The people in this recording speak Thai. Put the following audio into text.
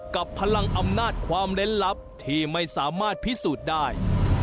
กับพลังอำนาจความเล่นลับที่ไม่สามารถพิสูจน์ได้